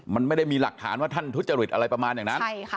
มันไม่ได้มีหลักฐานว่าท่านทุจริตอะไรประมาณอย่างนั้น